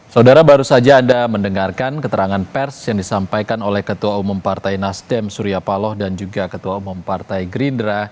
saudara baru saja anda mendengarkan keterangan pers yang disampaikan oleh ketua umum partai nasdem surya paloh dan juga ketua umum partai gerindra